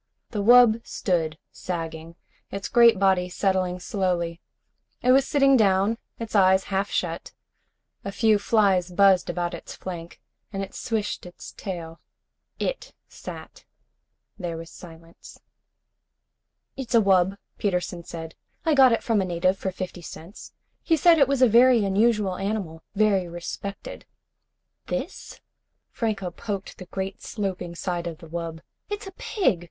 The wub stood sagging, its great body settling slowly. It was sitting down, its eyes half shut. A few flies buzzed about its flank, and it switched its tail. It sat. There was silence. "It's a wub," Peterson said. "I got it from a native for fifty cents. He said it was a very unusual animal. Very respected." "This?" Franco poked the great sloping side of the wub. "It's a pig!